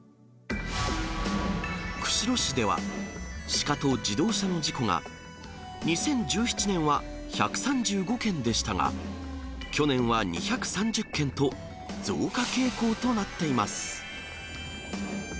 釧路市では、シカと自動車の事故が２０１７年は１３５件でしたが、去年は２３０件と、増加傾向となっています。